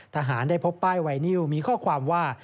ทหารได้พบป้ายไวนิวมีข้อความว่า